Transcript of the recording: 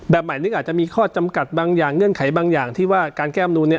หมายลึกอาจจะมีข้อจำกัดบางอย่างเงื่อนไขบางอย่างที่ว่าการแก้อำนูนเนี่ย